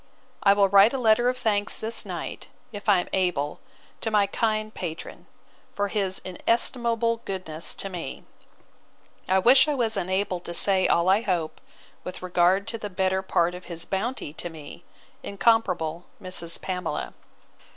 I will write a letter of thanks this night, if I am able, to my kind patron, for his inestimable goodness to me. I wish I was enabled to say all I hope, with regard to the better part of his bounty to me, incomparable Mrs. Pamela.